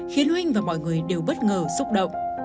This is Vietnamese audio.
khiến huynh và mọi người đều bất ngờ xúc động